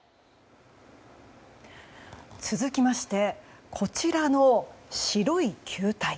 続きましてこちらの白い球体。